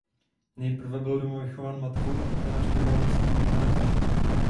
Nejprve byl doma vychováván matkou a poté navštěvoval místní gymnázium.